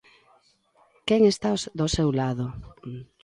¿Quen está do seu lado?